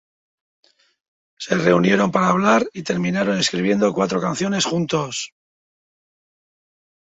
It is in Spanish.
Se reunieron para hablar y terminaron escribiendo cuatro canciones juntos.